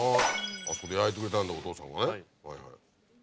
それ焼いてくれたんだお父さんがねはいはい。